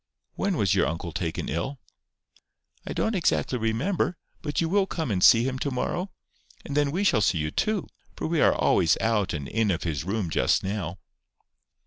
"When was your uncle taken ill?" "I don't exactly remember. But you will come and see him to morrow? And then we shall see you too. For we are always out and in of his room just now."